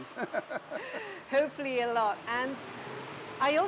berapa banyak yang akan anda lihat